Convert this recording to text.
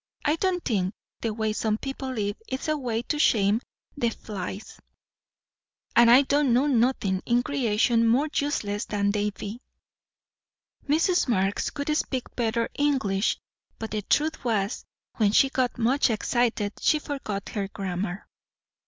I do think, the way some people live, is a way to shame the flies; and I don't know nothin' in creation more useless than they be!" Mrs. Marx could speak better English, but the truth was, when she got much excited she forgot her grammar.